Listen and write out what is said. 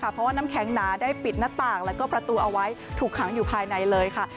เพราะว่าน้ำแข็งหนาได้ปิดหน้าต่างแล้วก็ประตูเอาไว้ถูกขังอยู่ภายในเลยค่ะ